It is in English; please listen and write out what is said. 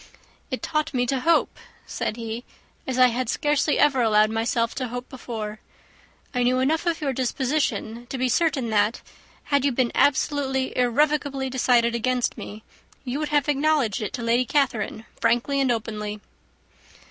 "It taught me to hope," said he, "as I had scarcely ever allowed myself to hope before. I knew enough of your disposition to be certain, that had you been absolutely, irrevocably decided against me, you would have acknowledged it to Lady Catherine frankly and openly."